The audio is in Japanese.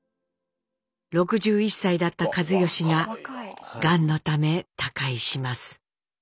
６１歳だった一嚴ががんのため他界します。